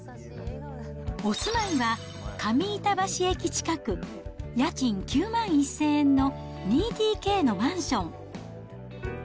お住まいは上板橋駅近く、家賃９万１０００円の２ＤＫのマンション。